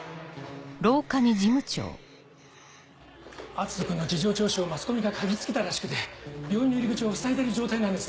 篤斗君の事情聴取をマスコミが嗅ぎつけたらしくて病院の入り口をふさいでる状態なんです。